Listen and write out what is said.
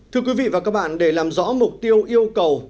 thưa quý vị và các bạn để làm rõ mục tiêu yêu cầu